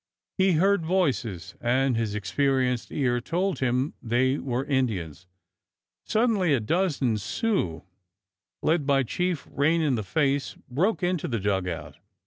He heard voices, and his experienced ear told him they were Indians. Suddenly a dozen Sioux, led by Chief Rain In The Face, broke into the dug out.